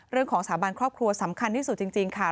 เรื่องของสาบานครอบครัวสำคัญที่สุดจริงค่ะ